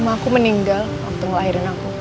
aku meninggal waktu ngelahirin aku